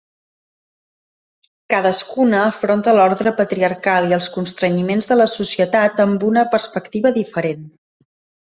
Cadascuna afronta l’ordre patriarcal i els constrenyiments de la societat amb una perspectiva diferent.